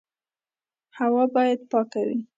هوا باید پاکه وي.